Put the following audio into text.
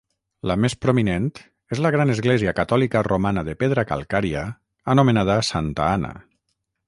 La més prominent és la gran església catòlica romana de pedra calcària anomenada Santa Anna.